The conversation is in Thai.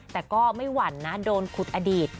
แต่ก็ไม่หวั่นนะโดนขุดอดีต